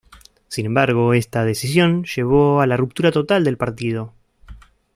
Sin embargo, esta decisión llevó a la ruptura total del partido.